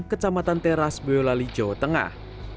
kecamatan teras boyolali jawa tengah